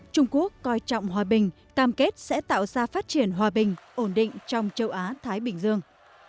trung quốc coi trọng hòa bình cam kết sẽ tạo ra phát triển hòa bình ổn định trong châu á thái bình dương